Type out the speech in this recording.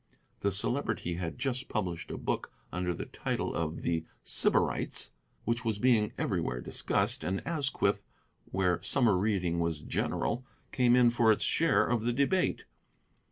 The Celebrity had just published a book, under the title of 'The Sybarites', which was being everywhere discussed; and Asquith, where summer reading was general, came in for its share of the debate.